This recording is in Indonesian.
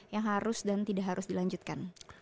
yang harus dan tidak harus dilanjutkan